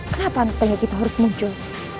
kenapa anak tangga kita harus muncul